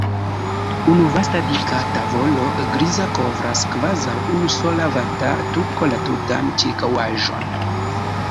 Unu vasta dika tavolo griza kovras kvazaŭ unu sola vata tuko la tutan ĉirkaŭaĵon.